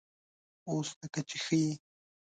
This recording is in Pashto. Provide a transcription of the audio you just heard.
_اوس لکه چې ښه يې؟